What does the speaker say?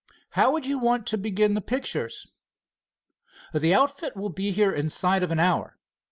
"How would you want to begin the pictures?" "The outfit will be here inside of an hour."